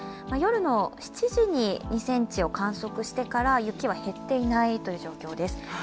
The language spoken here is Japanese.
夜の７時に２ｃｍを観測してから雪は減っていないという状況です。